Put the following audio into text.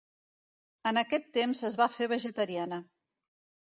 En aquest temps es va fer vegetariana.